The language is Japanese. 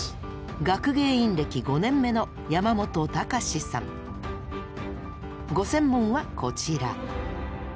学芸員歴５年目のご専門はこちら。